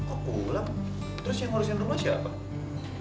kok pulang terus yang ngurusin rumah siapa